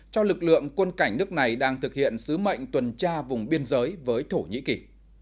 cho lực lượng quân cảnh nước này đang thực hiện sứ mệnh tuần tra vùng biên giới với thổ nhĩ kỳ